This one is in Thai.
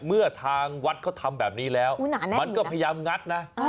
เมื่อทางวัดเขาทำแบบนี้แล้วมันก็พยายามงัดนะ